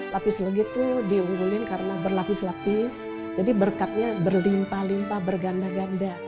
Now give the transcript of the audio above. lapis legit itu diunggulkan karena berlapis lapis jadi berkatnya berlimpah limpah berganda ganda